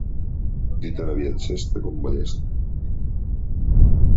Dir tan aviat sesta com ballesta.